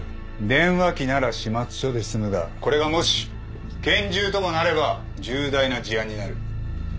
電話機なら始末書で済むがこれがもし拳銃ともなれば重大な事案になる。